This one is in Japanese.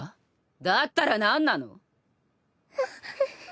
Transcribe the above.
だったら何なの？